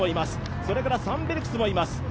それからサンベルクスもいます。